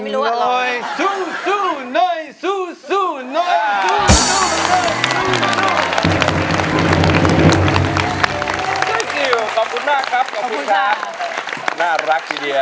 สวัสดีครับคุณหน่อย